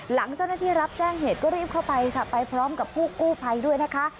หลังเจ้าหน้าที่รับแจ้งเหตุก็รีบเข้าไปค่ะไปพร้อมกับผู้กู้ภัยด้วยนะคะ